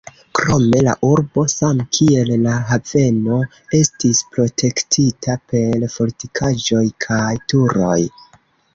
Krome la urbo, same kiel la haveno estis protektita per fortikaĵoj kaj turoj.